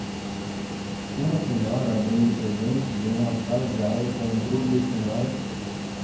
Uma senhora abrindo presentes em uma sala de aula com um grupo de senhoras